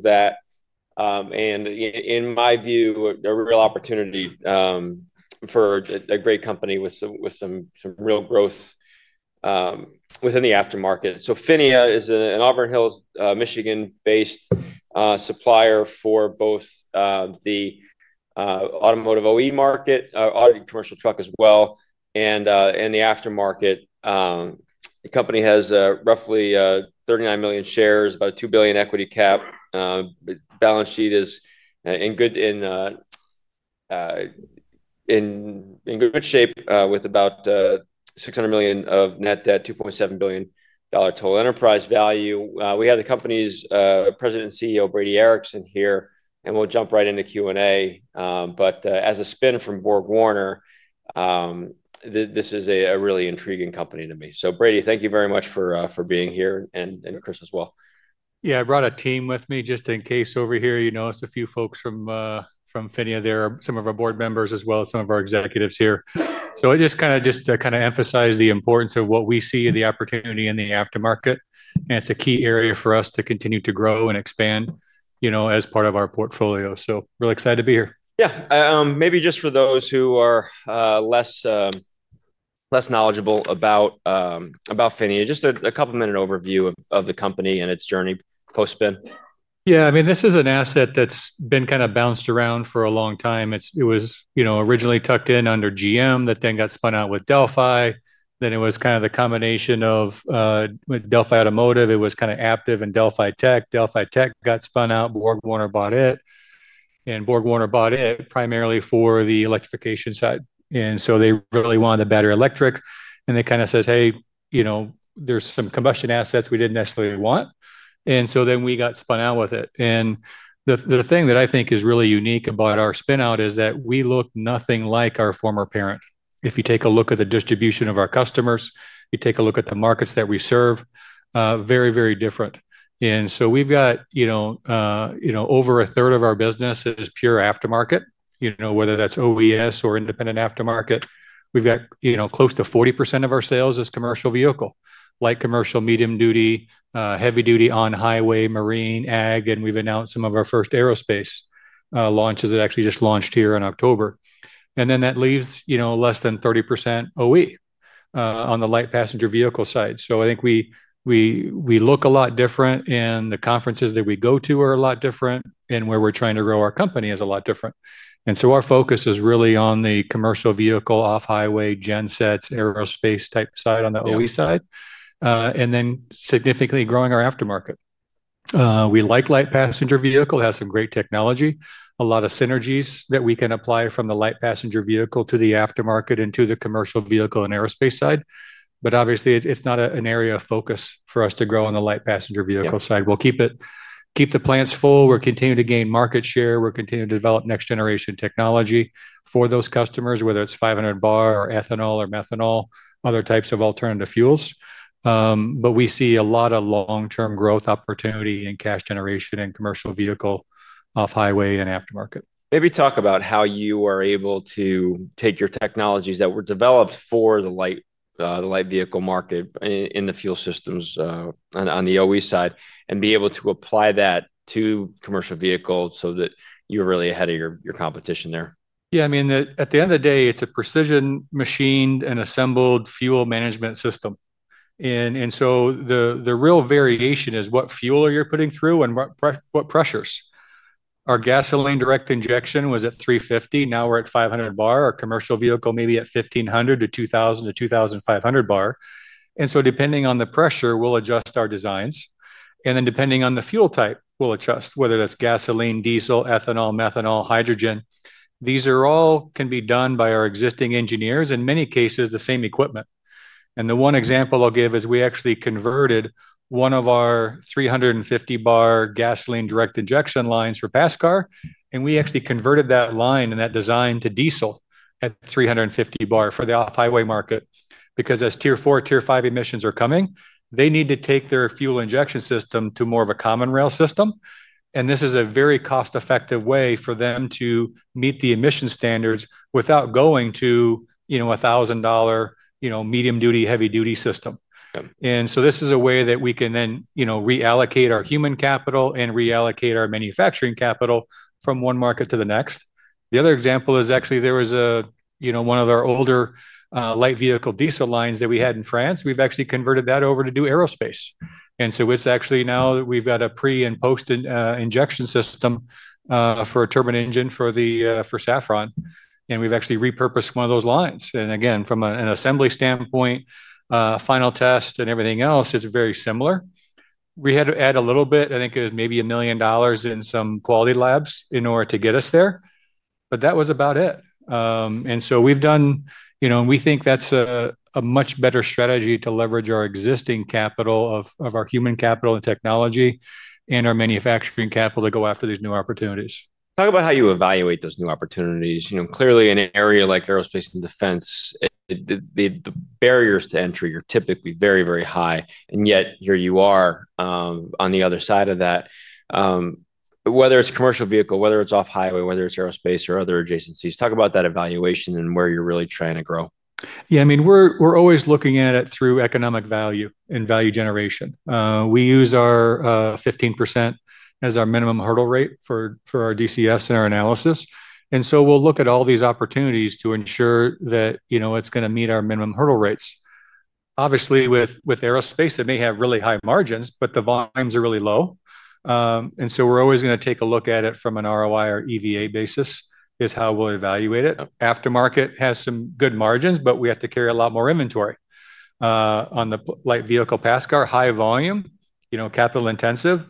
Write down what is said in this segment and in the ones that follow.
That and, in my view, a real opportunity for a great company with some real growth within the aftermarket. So PHINIA is an Auburn Hills, Michigan-based supplier for both the automotive OE market, auto commercial truck as well, and the aftermarket. The company has roughly 39 million shares, about a $2 billion equity cap. Balance sheet is in good shape with about $600 million of net debt, $2.7 billion total enterprise value. We have the company's President and CEO, Brady Ericson, here, and we'll jump right into Q&A, but as a spin from BorgWarner, this is a really intriguing company to me. So Brady, thank you very much for being here, and Chris as well. Yeah, I brought a team with me just in case over here. It's a few folks from PHINIA. They're some of our board members as well as some of our executives here, so just to kind of emphasize the importance of what we see in the opportunity in the aftermarket, and it's a key area for us to continue to grow and expand as part of our portfolio, so really excited to be here. Yeah. Maybe just for those who are less knowledgeable about PHINIA, just a couple-minute overview of the company and its journey, post-spin. Yeah. I mean, this is an asset that's been kind of bounced around for a long time. It was originally tucked in under GM that then got spun out with Delphi. Then it was kind of the combination of. Delphi Automotive. It was kind of Aptiv and Delphi Tech. Delphi Tech got spun out. BorgWarner bought it. And BorgWarner bought it primarily for the electrification side. And so they really wanted the battery electric. And they kind of said, "Hey. There's some combustion assets we didn't necessarily want." And so then we got spun out with it. And the thing that I think is really unique about our spin-out is that we look nothing like our former parent. If you take a look at the distribution of our customers, you take a look at the markets that we serve, very, very different. And so we've got. Over 1/3 of our business is pure aftermarket, whether that's OES or independent aftermarket. We've got close to 40% of our sales as commercial vehicle, light commercial, medium duty, heavy duty on highway, marine, ag, and we've announced some of our first aerospace launches that actually just launched here in October. And then that leaves less than 30% OE on the light passenger vehicle side. So I think we. Look a lot different, and the conferences that we go to are a lot different, and where we're trying to grow our company is a lot different. And so our focus is really on the commercial vehicle, off-highway, gensets, aerospace type side on the OE side, and then significantly growing our aftermarket. We like light passenger vehicle. It has some great technology, a lot of synergies that we can apply from the light passenger vehicle to the aftermarket and to the commercial vehicle and aerospace side. But obviously, it's not an area of focus for us to grow on the light passenger vehicle side. We'll keep the plants full. We're continuing to gain market share. We're continuing to develop next-generation technology for those customers, whether it's 500 bar or ethanol or methanol, other types of alternative fuels. But we see a lot of long-term growth opportunity and cash generation and commercial vehicle off-highway and aftermarket. Maybe talk about how you are able to take your technologies that were developed for the light vehicle market in the fuel systems on the OE side and be able to apply that to commercial vehicles so that you're really ahead of your competition there. Yeah. I mean, at the end of the day, it's a precision-machined and assembled fuel management system, and so the real variation is what fuel you're putting through and what pressures. Our gasoline direct injection was at 350. Now we're at 500 bar. Our commercial vehicle may be at 1500-2000-2500 bar, and so depending on the pressure, we'll adjust our designs. And then depending on the fuel type, we'll adjust, whether that's gasoline, diesel, ethanol, methanol, hydrogen. These all can be done by our existing engineers, in many cases, the same equipment. And the one example I'll give is we actually converted one of our 350-bar gasoline direct injection lines for passenger car, and we actually converted that line and that design to diesel at 350 bar for the off-highway market because as Tier 4, Tier 5 emissions are coming, they need to take their fuel injection system to more of a common rail system. And this is a very cost-effective way for them to meet the emission standards without going to $1,000 medium-duty, heavy-duty system. And so this is a way that we can then reallocate our human capital and reallocate our manufacturing capital from one market to the next. The other example is actually there was one of our older light vehicle diesel lines that we had in France. We've actually converted that over to do aerospace, and so it's actually now that we've got a pre- and post-injection system for a turbine engine for Safran. And we've actually repurposed one of those lines, and again, from an assembly standpoint, final test and everything else, it's very similar. We had to add a little bit. I think it was maybe $1 million in some quality labs in order to get us there. But that was about it, and so we've done, and we think that's a much better strategy to leverage our existing capital of our human capital and technology and our manufacturing capital to go after these new opportunities. Talk about how you evaluate those new opportunities. Clearly, in an area like aerospace and defense, the barriers to entry are typically very, very high, and yet here you are on the other side of that. Whether it's commercial vehicle, whether it's off-highway, whether it's aerospace or other adjacencies. Talk about that evaluation and where you're really trying to grow. Yeah. I mean, we're always looking at it through economic value and value generation. We use our 15% as our minimum hurdle rate for our DCS and our analysis. And so we'll look at all these opportunities to ensure that it's going to meet our minimum hurdle rates. Obviously, with aerospace, it may have really high margins, but the volumes are really low. And so we're always going to take a look at it from an ROI or EVA basis is how we'll evaluate it. Aftermarket has some good margins, but we have to carry a lot more inventory. On the light vehicle, passenger car, high volume, capital intensive,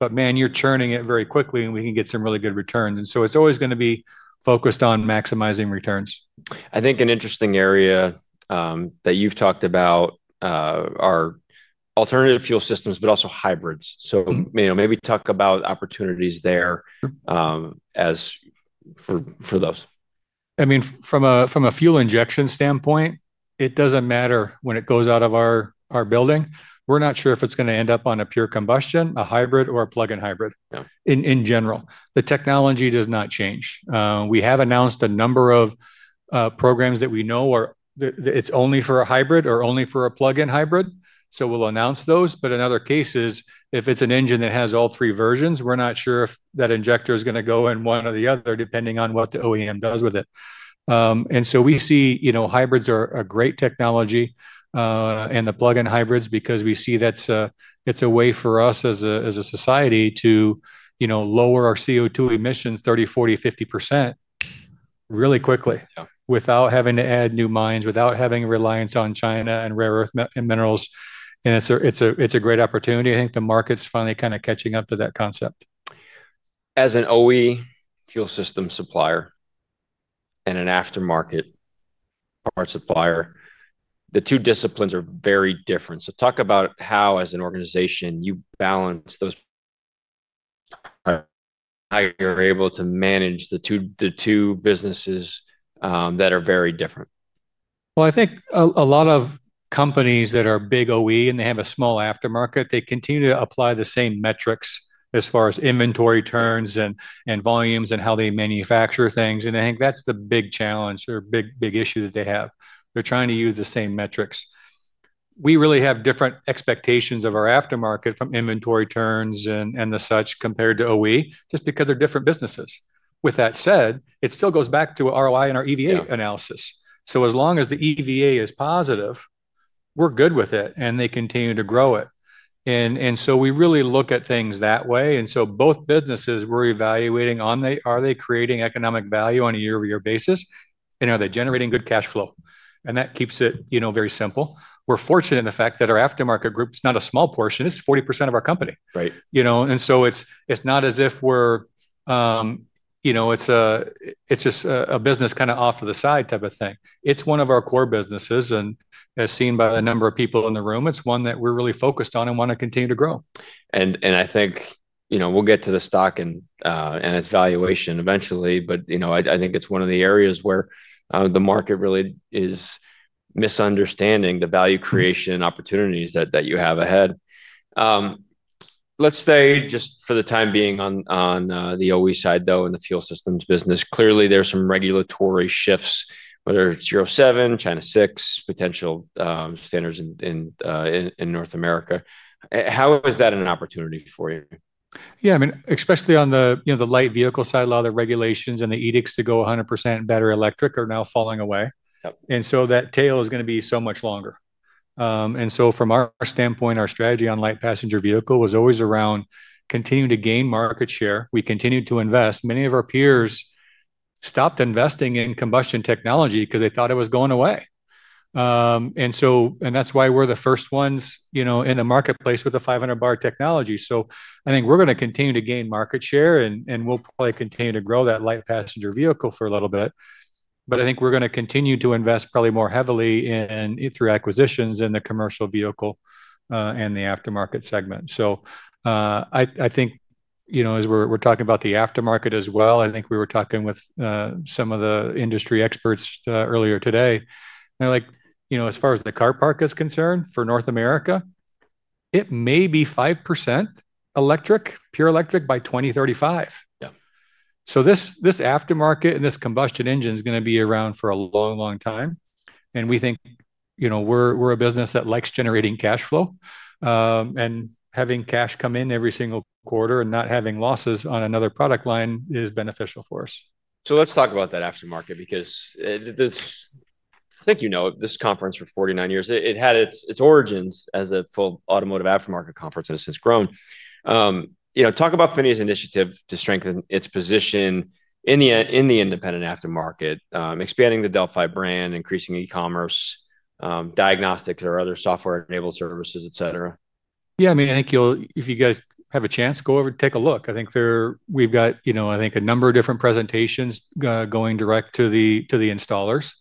but man, you're churning it very quickly, and we can get some really good returns. And so it's always going to be focused on maximizing returns. I think an interesting area that you've talked about are alternative fuel systems, but also hybrids, so maybe talk about opportunities there for those. I mean, from a fuel injection standpoint, it doesn't matter when it goes out of our building. We're not sure if it's going to end up on a pure combustion, a hybrid, or a plug-in hybrid in general. The technology does not change. We have announced a number of programs that we know it's only for a hybrid or only for a plug-in hybrid. So we'll announce those. But in other cases, if it's an engine that has all three versions, we're not sure if that injector is going to go in one or the other depending on what the OEM does with it. And so we see hybrids are a great technology. And the plug-in hybrids, because we see that's a way for us as a society to lower our CO2 emissions 30%, 40%, 50%. Really quickly without having to add new mines, without having reliance on China and rare earth minerals. And it's a great opportunity. I think the market's finally kind of catching up to that concept. As an OE fuel system supplier and an aftermarket parts supplier, the two disciplines are very different. So talk about how, as an organization, you balance those. How you're able to manage the two businesses that are very different. I think a lot of companies that are big OE and they have a small aftermarket, they continue to apply the same metrics as far as inventory turns and volumes and how they manufacture things. I think that's the big challenge or big issue that they have. They're trying to use the same metrics. We really have different expectations of our aftermarket from inventory turns and the such compared to OE just because they're different businesses. With that said, it still goes back to our ROI and our EVA analysis. As long as the EVA is positive, we're good with it, and they continue to grow it. We really look at things that way. Both businesses we're evaluating on are they creating economic value on a year-over-year basis, and are they generating good cash flow? That keeps it very simple. We're fortunate in the fact that our aftermarket group, it's not a small portion. It's 40% of our company. It's just a business kind of off to the side type of thing. It's one of our core businesses. As seen by the number of people in the room, it's one that we're really focused on and want to continue to grow. And I think we'll get to the stock and its valuation eventually, but I think it's one of the areas where the market really is misunderstanding the value creation opportunities that you have ahead. Let's stay just for the time being on the OE side, though, in the fuel systems business. Clearly, there's some regulatory shifts, whether it's Euro 7, China 6, potential standards in North America. How is that an opportunity for you? Yeah. I mean, especially on the light vehicle side, a lot of the regulations and the edicts to go 100% battery electric are now falling away. And so that tail is going to be so much longer. And so from our standpoint, our strategy on light passenger vehicle was always around continuing to gain market share. We continued to invest. Many of our peers stopped investing in combustion technology because they thought it was going away. And that's why we're the first ones in the marketplace with the 500 bar technology. So I think we're going to continue to gain market share, and we'll probably continue to grow that light passenger vehicle for a little bit. But I think we're going to continue to invest probably more heavily in through acquisitions in the commercial vehicle and the aftermarket segment. So, I think as we're talking about the aftermarket as well, I think we were talking with some of the industry experts earlier today. As far as the car park is concerned for North America, it may be 5% electric, pure electric by 2035. So this aftermarket and this combustion engine is going to be around for a long, long time. And we think we're a business that likes generating cash flow. And having cash come in every single quarter and not having losses on another product line is beneficial for us. So let's talk about that aftermarket because I think you know this conference for 49 years. It had its origins as a full automotive aftermarket conference and has since grown. Talk about PHINIA's initiative to strengthen its position in the independent aftermarket, expanding the Delphi brand, increasing e-commerce, diagnostics or other software-enabled services, etc. Yeah. I mean, I think if you guys have a chance, go over and take a look. I think we've got, I think, a number of different presentations going direct to the installers.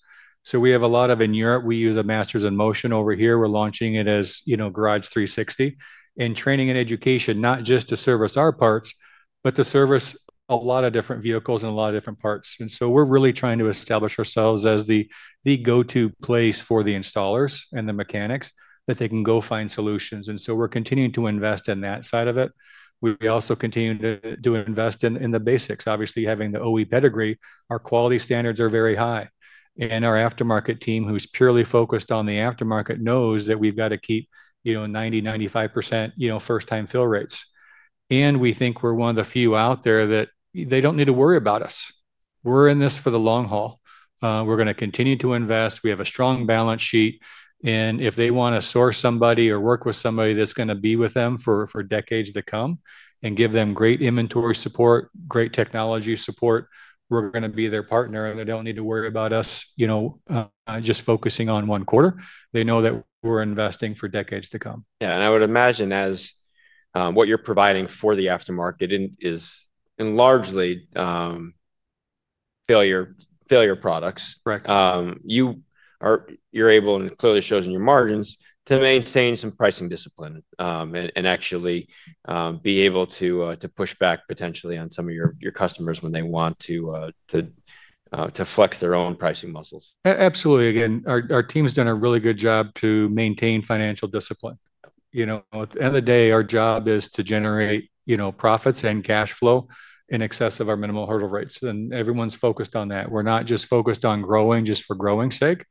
So we have a lot of in Europe, we use a Masters in Motion over here. We're launching it as Garage 360 and training and education, not just to service our parts, but to service a lot of different vehicles and a lot of different parts. And so we're really trying to establish ourselves as the go-to place for the installers and the mechanics that they can go find solutions. And so we're continuing to invest in that side of it. We also continue to invest in the basics. Obviously, having the OE pedigree, our quality standards are very high. And our aftermarket team, who's purely focused on the aftermarket, knows that we've got to keep 90%, 95% first-time fill rates. And we think we're one of the few out there that they don't need to worry about us. We're in this for the long haul. We're going to continue to invest. We have a strong balance sheet. And if they want to source somebody or work with somebody that's going to be with them for decades to come and give them great inventory support, great technology support, we're going to be their partner. And they don't need to worry about us just focusing on one quarter. They know that we're investing for decades to come. Yeah. And I would imagine as what you're providing for the aftermarket is largely failure products. You're able, and it clearly shows in your margins, to maintain some pricing discipline and actually be able to push back potentially on some of your customers when they want to flex their own pricing muscles. Absolutely. Again, our team's done a really good job to maintain financial discipline. At the end of the day, our job is to generate profits and cash flow in excess of our minimal hurdle rates, and everyone's focused on that. We're not just focused on growing just for growing's sake.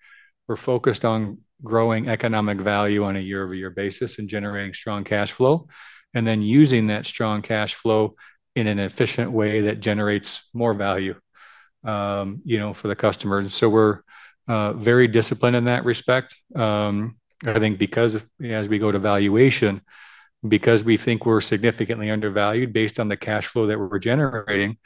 We're focused on growing economic value on a year-over-year basis and generating strong cash flow, and then using that strong cash flow in an efficient way that generates more value for the customers, so we're very disciplined in that respect. I think because as we go to valuation, because we think we're significantly undervalued based on the cash flow that we're generating,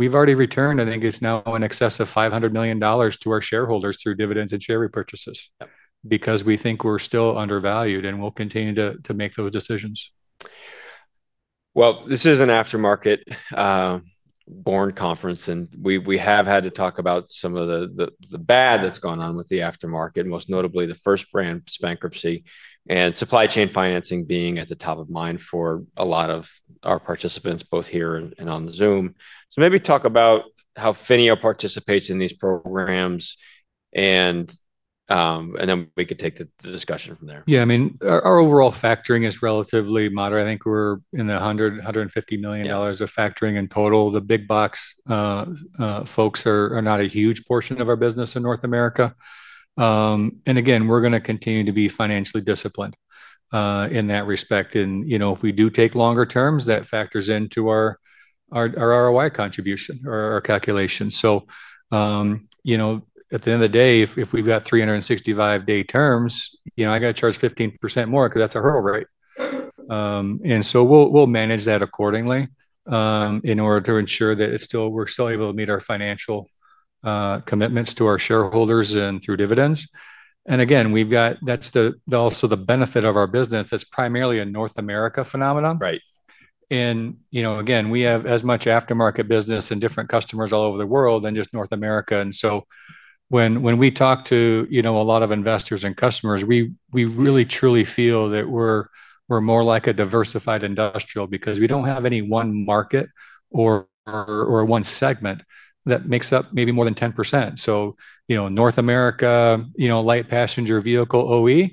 we've already returned, I think it's now in excess of $500 million to our shareholders through dividends and share repurchases because we think we're still undervalued and we'll continue to make those decisions. Well, this is an aftermarket-born conference, and we have had to talk about some of the bad that's gone on with the aftermarket, most notably the First Brands' bankruptcy and supply chain financing being at the top of mind for a lot of our participants, both here and on the Zoom. So maybe talk about how PHINIA participates in these programs. And then we could take the discussion from there. Yeah. I mean, our overall factoring is relatively moderate. I think we're in the $100 million, $150 million of factoring in total. The big box folks are not a huge portion of our business in North America. And again, we're going to continue to be financially disciplined in that respect. And if we do take longer terms, that factors into our ROI contribution or our calculation. So at the end of the day, if we've got 365-day terms, I got to charge 15% more because that's a hurdle rate. And so we'll manage that accordingly. In order to ensure that we're still able to meet our financial commitments to our shareholders and through dividends. And again, that's also the benefit of our business. It's primarily a North America phenomenon. And again, we have as much aftermarket business and different customers all over the world than just North America. And so when we talk to a lot of investors and customers, we really truly feel that we're more like a diversified industrial because we don't have any one market or one segment that makes up maybe more than 10%. So North America, light passenger vehicle OE,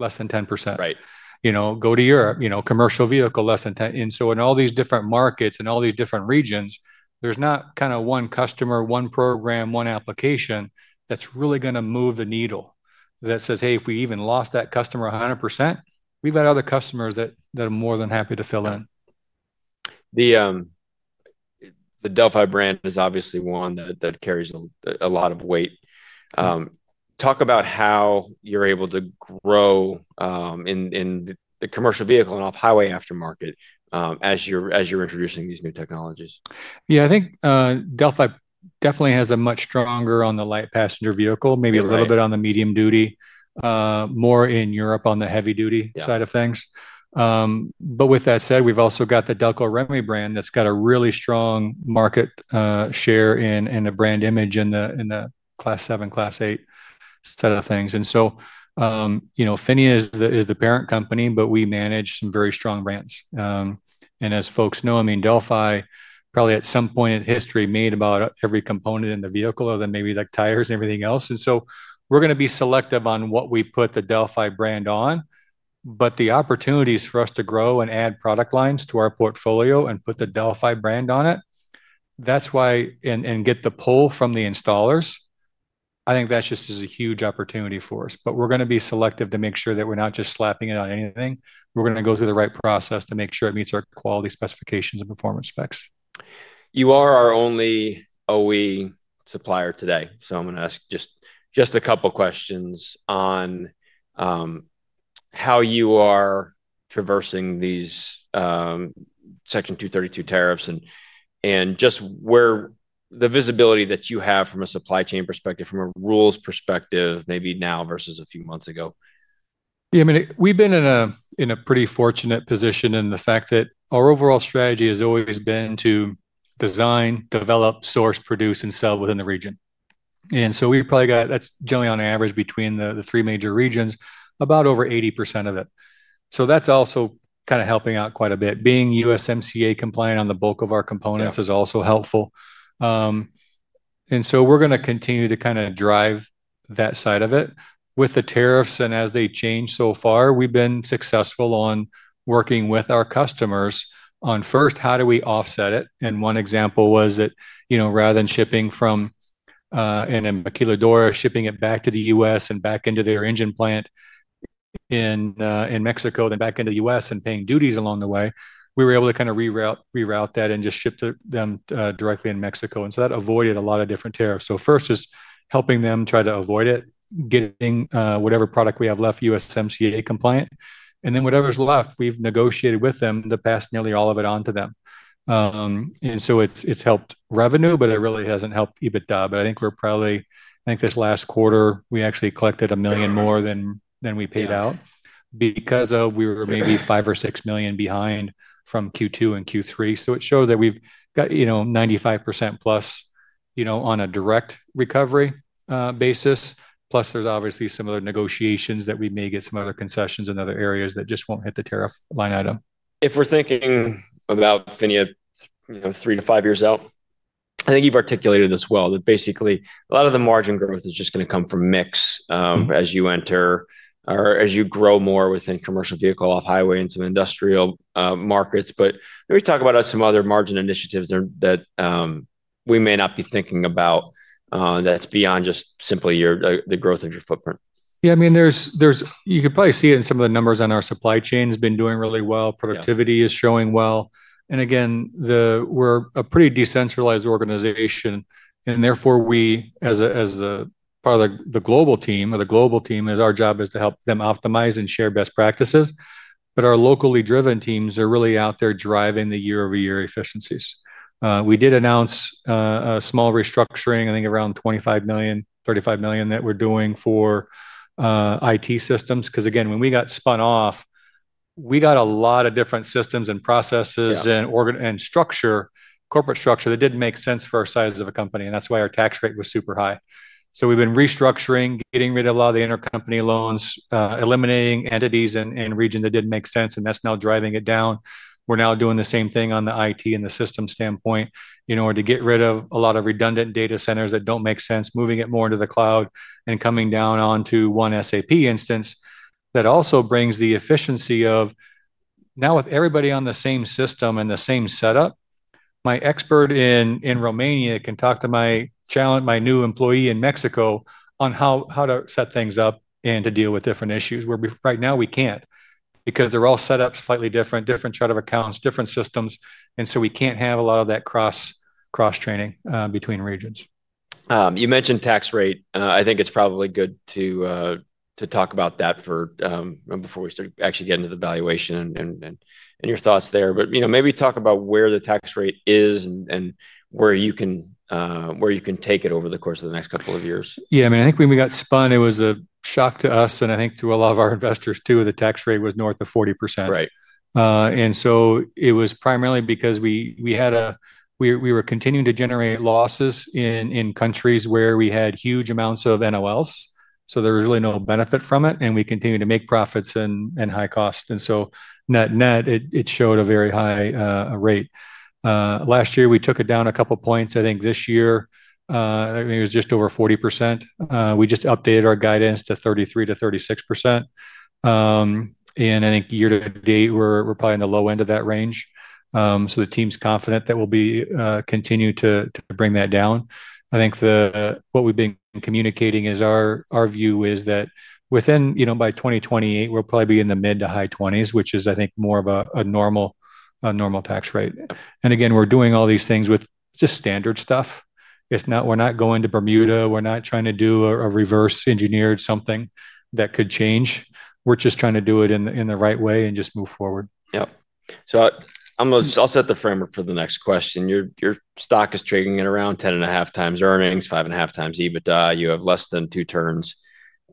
less than 10%. Go to Europe, commercial vehicle, less than 10%. And so in all these different markets and all these different regions, there's not kind of one customer, one program, one application that's really going to move the needle that says, "Hey, if we even lost that customer 100%, we've got other customers that are more than happy to fill in. The Delphi brand is obviously one that carries a lot of weight. Talk about how you're able to grow in the commercial vehicle and off-highway aftermarket as you're introducing these new technologies. Yeah. I think Delphi definitely has a much stronger on the light passenger vehicle, maybe a little bit on the medium duty, more in Europe on the heavy duty side of things. But with that said, we've also got the Delco Remy brand that's got a really strong market share and a brand image in the class seven, class eight set of things. And so. PHINIA is the parent company, but we manage some very strong brands. And as folks know, I mean, Delphi probably at some point in history made about every component in the vehicle, maybe like tires and everything else. And so we're going to be selective on what we put the Delphi brand on. But the opportunities for us to grow and add product lines to our portfolio and put the Delphi brand on it. That's why and get the pull from the installers. I think that just is a huge opportunity for us. But we're going to be selective to make sure that we're not just slapping it on anything. We're going to go through the right process to make sure it meets our quality specifications and performance specs. You are our only OE supplier today. So I'm going to ask just a couple of questions on how you are traversing these Section 232 tariffs and just the visibility that you have from a supply chain perspective, from a rules perspective, maybe now versus a few months ago. Yeah. I mean, we've been in a pretty fortunate position in the fact that our overall strategy has always been to design, develop, source, produce, and sell within the region. We've probably got, that's generally on average between the three major regions, about over 80% of it. That's also kind of helping out quite a bit. Being USMCA compliant on the bulk of our components is also helpful. We're going to continue to kind of drive that side of it with the tariffs. As they change so far, we've been successful on working with our customers on first, how do we offset it? One example was that rather than shipping from in a maquiladora, shipping it back to the U.S. and back into their engine plant in Mexico, then back into the U.S. and paying duties along the way, we were able to kind of reroute that and just ship to them directly in Mexico. That avoided a lot of different tariffs. First is helping them try to avoid it, getting whatever product we have left USMCA compliant. Then whatever's left, we've negotiated with them to pass nearly all of it on to them. It's helped revenue, but it really hasn't helped EBITDA. I think we're probably, I think this last quarter, we actually collected $1 million more than we paid out because we were maybe $5 million or $6 million behind from Q2 and Q3. It shows that we've got 95%+ on a direct recovery basis. Plus, there's obviously some other negotiations that we may get some other concessions in other areas that just won't hit the tariff line item. If we're thinking about PHINIA three to five years out, I think you've articulated this well that basically a lot of the margin growth is just going to come from mix as you enter or as you grow more within commercial vehicle off-highway and some industrial markets. But let me talk about some other margin initiatives that we may not be thinking about. That's beyond just simply the growth of your footprint. Yeah. I mean, you could probably see it in some of the numbers on our supply chain has been doing really well. Productivity is showing well. And again, we're a pretty decentralized organization. And therefore, as a part of the global team, or the global team, our job is to help them optimize and share best practices. But our locally driven teams are really out there driving the year-over-year efficiencies. We did announce a small restructuring, I think around $25 million, $35 million that we're doing for IT systems. Because again, when we got spun off, we got a lot of different systems and processes and structure, corporate structure that didn't make sense for our size of a company. And that's why our tax rate was super high. So we've been restructuring, getting rid of a lot of the intercompany loans, eliminating entities and regions that didn't make sense. And that's now driving it down. We're now doing the same thing on the IT and the system standpoint in order to get rid of a lot of redundant data centers that don't make sense, moving it more into the cloud and coming down onto one SAP instance that also brings the efficiency of now with everybody on the same system and the same setup, my expert in Romania can talk to my new employee in Mexico on how to set things up and to deal with different issues. Where right now we can't because they're all set up slightly different, different chart of accounts, different systems. And so we can't have a lot of that cross-training between regions. You mentioned tax rate. I think it's probably good to talk about that before we start actually getting to the valuation and your thoughts there. But maybe talk about where the tax rate is and where you can take it over the course of the next couple of years. Yeah. I mean, I think when we got spun, it was a shock to us and I think to a lot of our investors too, the tax rate was north of 40%. And so it was primarily because we were continuing to generate losses in countries where we had huge amounts of NOLs. So there was really no benefit from it. And we continued to make profits and high cost. And so net net, it showed a very high rate. Last year, we took it down a couple of points. I think this year. It was just over 40%. We just updated our guidance to 33%-36%. And I think year to date, we're probably in the low end of that range. So the team's confident that we'll continue to bring that down. I think what we've been communicating is our view is that within by 2028, we'll probably be in the mid- to high 20s%, which is, I think, more of a normal tax rate. And again, we're doing all these things with just standard stuff. We're not going to Bermuda. We're not trying to do a reverse engineered something that could change. We're just trying to do it in the right way and just move forward. Yep. So I'll set the framework for the next question. Your stock is trading at around 10.5x earnings, 5.5x EBITDA. You have less than 2 turns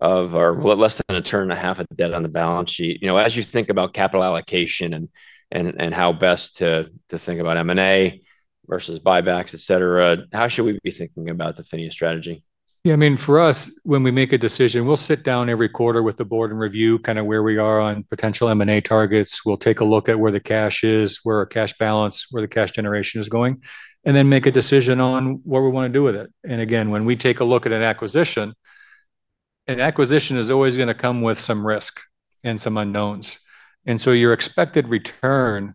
or less than 1.5 turns of debt on the balance sheet. As you think about capital allocation and how best to think about M&A versus buybacks, etc., how should we be thinking about the PHINIA strategy? Yeah. I mean, for us, when we make a decision, we'll sit down every quarter with the board and review kind of where we are on potential M&A targets. We'll take a look at where the cash is, where our cash balance, where the cash generation is going, and then make a decision on what we want to do with it. And again, when we take a look at an acquisition. An acquisition is always going to come with some risk and some unknowns. And so your expected return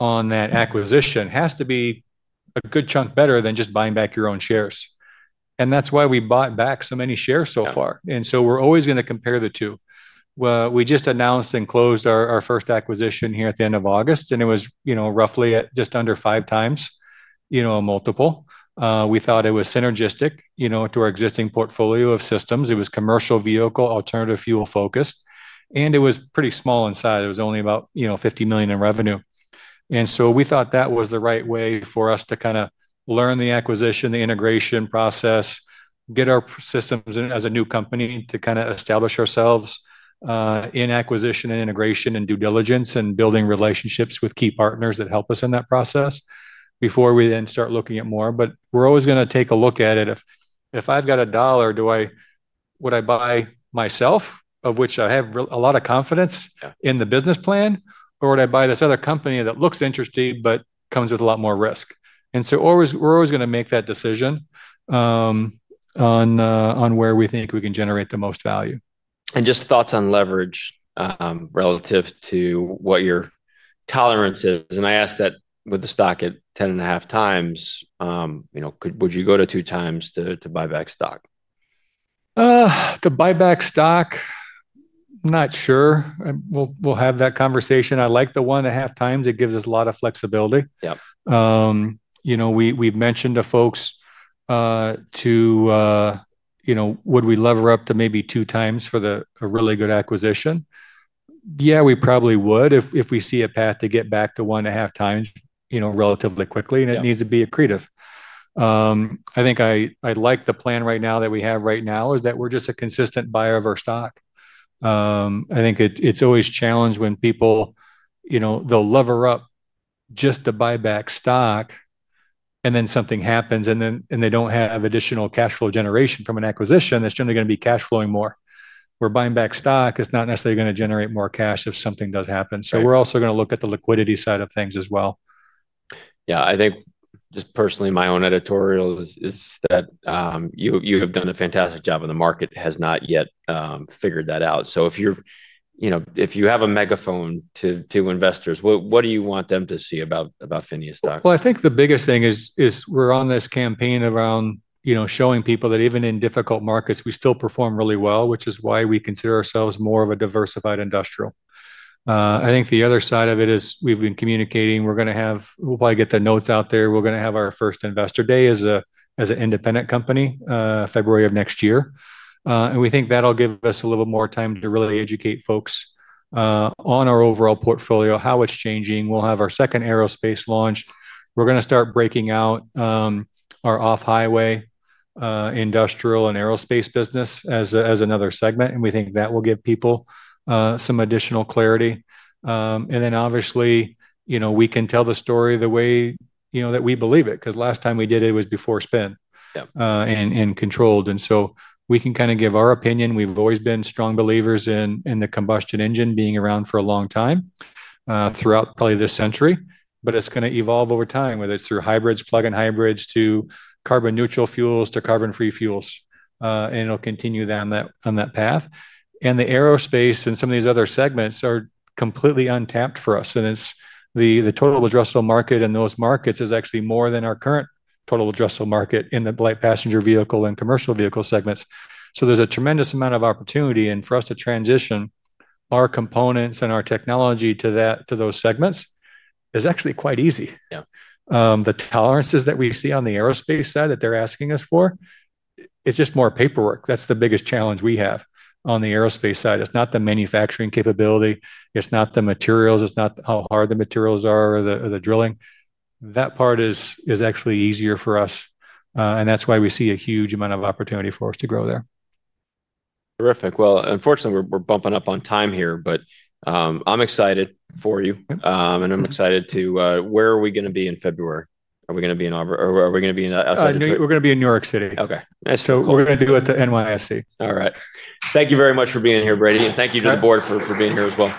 on that acquisition has to be a good chunk better than just buying back your own shares. And that's why we bought back so many shares so far. And so we're always going to compare the two. We just announced and closed our first acquisition here at the end of August, and it was roughly at just under five times a multiple. We thought it was synergistic to our existing portfolio of systems. It was commercial vehicle, alternative fuel focused, and it was pretty small in size. It was only about $50 million in revenue. And so we thought that was the right way for us to kind of learn the acquisition, the integration process. Get our systems as a new company to kind of establish ourselves in acquisition and integration and due diligence and building relationships with key partners that help us in that process before we then start looking at more. But we're always going to take a look at it. If I've got a dollar, would I buy myself, of which I have a lot of confidence in the business plan, or would I buy this other company that looks interesting but comes with a lot more risk? And so we're always going to make that decision on where we think we can generate the most value. Just thoughts on leverage relative to what your tolerance is. I asked that with the stock at 10.5x. Would you go to 2x to buy back stock? To buy back stock. Not sure. We'll have that conversation. I like the 1.5x. It gives us a lot of flexibility. We've mentioned to folks. Would we lever up to maybe two times for a really good acquisition? Yeah, we probably would if we see a path to get back to one and a half times relatively quickly. And it needs to be accretive. I think I like the plan right now that we have is that we're just a consistent buyer of our stock. I think it's always challenged when people lever up just to buy back stock. And then something happens and they don't have additional cash flow generation from an acquisition, that's generally going to be cash flowing more. We're buying back stock. It's not necessarily going to generate more cash if something does happen. So we're also going to look at the liquidity side of things as well. Yeah. I think just personally, my own editorial is that. You have done a fantastic job and the market has not yet figured that out. So if you have a megaphone to investors, what do you want them to see about PHINIA stock? I think the biggest thing is we're on this campaign around showing people that even in difficult markets, we still perform really well, which is why we consider ourselves more of a diversified industrial. I think the other side of it is we've been communicating. We're going to have, we'll probably get the notes out there. We're going to have our first investor day as an independent company February of next year. And we think that'll give us a little more time to really educate folks on our overall portfolio, how it's changing. We'll have our second aerospace launched. We're going to start breaking out our off-highway, industrial and aerospace business as another segment. And we think that will give people some additional clarity. And then obviously we can tell the story the way that we believe it. Because last time we did it, it was before spin and controlled. And so we can kind of give our opinion. We've always been strong believers in the combustion engine being around for a long time throughout probably this century. But it's going to evolve over time, whether it's through hybrids, plug-in hybrids to carbon neutral fuels to carbon-free fuels. And it'll continue down that path. And the aerospace and some of these other segments are completely untapped for us. And the total addressable market in those markets is actually more than our current total addressable market in the light passenger vehicle and commercial vehicle segments. So there's a tremendous amount of opportunity. And for us to transition our components and our technology to those segments is actually quite easy. The tolerances that we see on the aerospace side that they're asking us for. It's just more paperwork. That's the biggest challenge we have on the aerospace side. It's not the manufacturing capability. It's not the materials. It's not how hard the materials are or the drilling. That part is actually easier for us. And that's why we see a huge amount of opportunity for us to grow there. Terrific. Well, unfortunately, we're bumping up on time here, but I'm excited for you, and I'm excited to, where are we going to be in February? Are we going to be outside of New York? We're going to be in New York City. Okay. So we're going to do it at the NYSE. All right. Thank you very much for being here, Brady. And thank you to the board for being here as well.